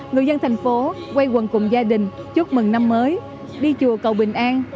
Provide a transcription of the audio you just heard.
người dân thành phố quay quần cùng gia đình chúc mừng năm mới đi chùa cầu bình an